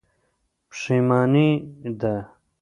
پښېماني ده.